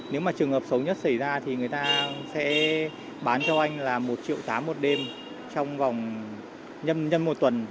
nếu mà trường hợp xấu nhất xảy ra thì người ta sẽ bán cho anh là một triệu tám một đêm trong vòng nhâm một tuần